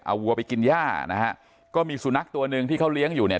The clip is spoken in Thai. เอาวัวไปกินย่านะฮะก็มีสุนัขตัวหนึ่งที่เขาเลี้ยงอยู่เนี่ย